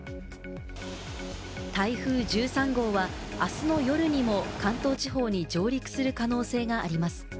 台風１３号は、あすの夜にも関東地方に上陸する可能性があります。